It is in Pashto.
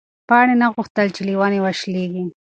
پاڼې نه غوښتل چې له ونې وشلېږي.